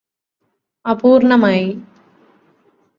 അപൂര്ണ്ണമായി